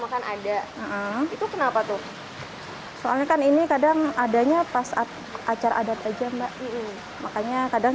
makan ada itu kenapa tuh soalnya kan ini kadang adanya pas acara adat aja mbak makanya kadang